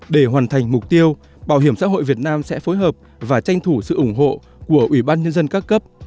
để hoàn thành mục tiêu bảo hiểm xã hội việt nam sẽ phối hợp và tranh thủ sự ủng hộ của ủy ban nhân dân các cấp